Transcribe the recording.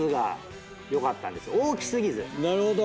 なるほど。